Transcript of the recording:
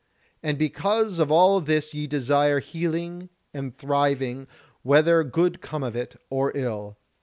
And because of all this ye desire healing and thriving, whether good come of it, or ill.